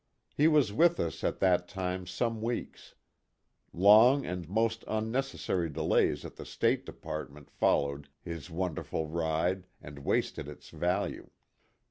He was with us at that time some weeks. Long and most unnecessary delays at the State Department followed his wonderful ride and wasted its value.